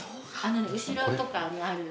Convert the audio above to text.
後ろとかにある。